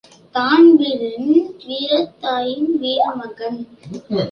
Dan Breen, வீரத் தாயின் வீர மகன்.